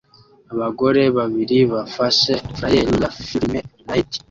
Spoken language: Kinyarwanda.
abagore babiri bafashe flayeri ya firime " night"